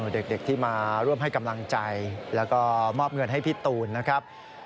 เด็กที่มาร่วมให้กำลังใจแล้วก็มอบเงินให้พี่ตูนนะครับ